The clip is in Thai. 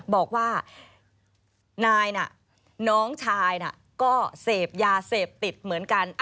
บอกว่านายน่ะน้องชายน่ะก็เสพยาเสพติดเหมือนกัน